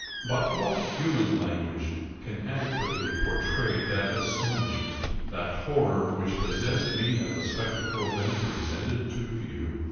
But what human language can adequately portray that astonishment, that horror which possessed me at the spectacle then presented to view?